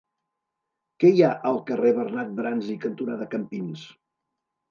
Què hi ha al carrer Bernat Bransi cantonada Campins?